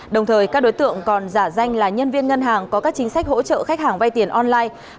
đồng thời các đối tượng còn giả danh là nhân viên ngân hàng có các chính sách hỗ trợ khách hàng vay tiền online